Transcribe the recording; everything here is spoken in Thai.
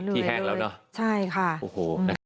ที่แห้งแล้วเนอะใช่ค่ะโอ้โห